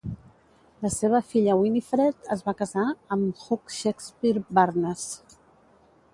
La seva filla Winifred es va casar amb Hugh Shakespear Barnes.